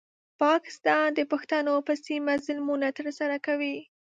پاکستان د پښتنو پر سیمه ظلمونه ترسره کوي.